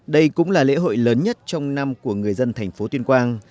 đây cũng là lễ hội lớn nhất trong năm của người dân tp tuyên quang